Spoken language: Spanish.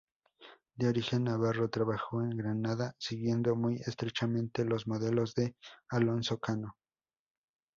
De origen navarro, trabajó en Granada siguiendo muy estrechamente los modelos de Alonso Cano.